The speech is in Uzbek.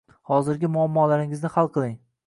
Hozirgi mammolaringizni hal qiling.